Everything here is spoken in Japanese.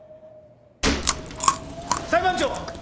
裁判長！